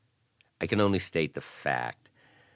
I can only state the fact.